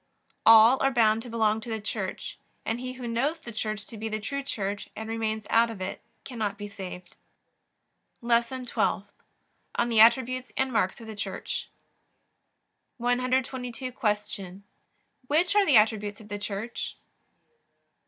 All are bound to belong to the Church, and he who knows the Church to be the true Church and remains out of it cannot be saved. LESSON TWELFTH ON THE ATTRIBUTES AND MARKS OF THE CHURCH 122. Q. Which are the attributes of the Church?